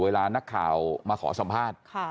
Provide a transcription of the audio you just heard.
เวลานักข่าวมาขอสัมภาษณ์